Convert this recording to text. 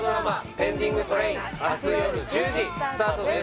「ペンディングトレイン」明日よる１０時スタートです